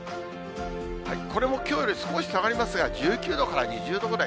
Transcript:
これもきょうより少し下がりますが、１９度から２０度ぐらい。